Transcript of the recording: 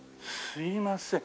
すいません。